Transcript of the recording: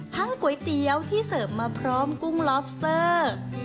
ก๋วยเตี๋ยวที่เสิร์ฟมาพร้อมกุ้งลอบสเตอร์